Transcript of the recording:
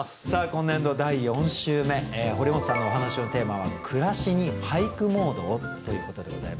今年度第４週目堀本さんのお話のテーマは「暮らしに俳句モードを」ということでございます。